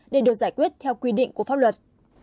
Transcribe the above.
để được giải quyết theo quy định của pháp luật